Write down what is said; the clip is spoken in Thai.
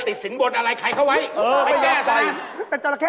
เฮ่ยเขามีหนีเสือป่าจอละเข้